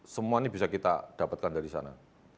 semua ini bisa kita dapatkan dari sana